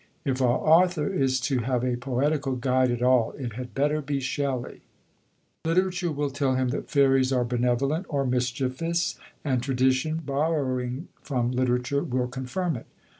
If our author is to have a poetical guide at all it had better be Shelley. Literature will tell him that fairies are benevolent or mischievous, and tradition, borrowing from literature, will confirm it.